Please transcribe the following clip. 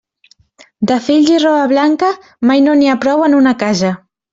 De fills i roba blanca, mai no n'hi ha prou en una casa.